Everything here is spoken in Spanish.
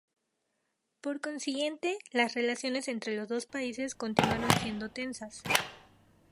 Por consiguiente, las relaciones entre los dos países continuaron siendo tensas.